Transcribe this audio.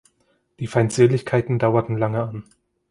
Die Feindseligkeiten dauerten lange an.